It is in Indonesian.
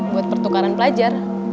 buat pertukaran pelajar